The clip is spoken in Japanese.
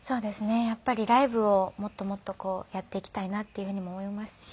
やっぱりライブをもっともっとやっていきたいなっていうふうにも思いますし